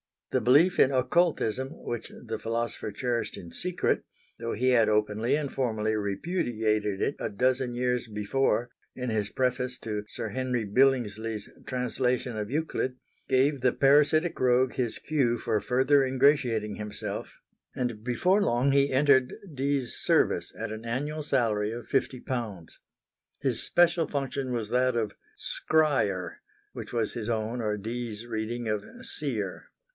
The belief in occultism which the philosopher cherished in secret, though he had openly and formally repudiated it a dozen years before in his preface to Sir Henry Billingsley's translation of Euclid, gave the parasitic rogue his cue for further ingratiating himself, and before long he entered Dee's service at an annual salary of fifty pounds. His special function was that of "skryer," which was his own or Dee's reading of "seer."